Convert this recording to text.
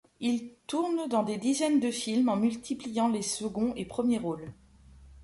Il tourne dans des dizaines de films, en multipliant les seconds et premiers rôles.